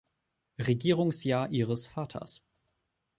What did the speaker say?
Regierungsjahr ihres Vaters.